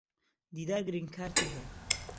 دیدار گرین کارتی ھەیە.